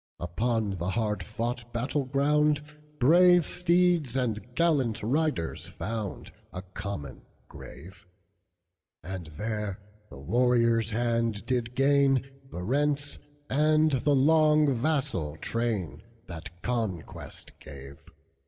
Upon the hard fought battle ground, Brave steeds and gallant riders foundA common grave; And there the warrior's hand did gainThe rents, and the long vassal train, That conquest gave.